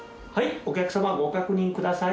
お客様ご確認ください。